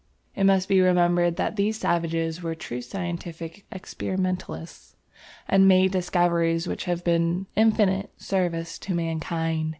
] It must be remembered that these savages were true scientific experimentalists, and made discoveries which have been of infinite service to mankind.